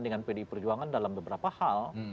dengan pdi perjuangan dalam beberapa hal